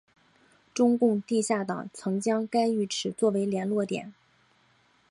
中共地下党曾将该浴池作为联络点。